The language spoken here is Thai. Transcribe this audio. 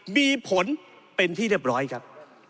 มีผลเป็นที่เรียบร้อยครับ